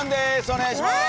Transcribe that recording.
お願いします。